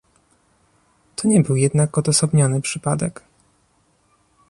To nie był jednak odosobniony przypadek